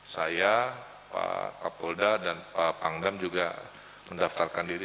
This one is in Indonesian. saya pak kapolda dan pak pangdam juga mendaftarkan diri